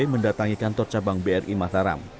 mendatangi kantor cabang bri mataram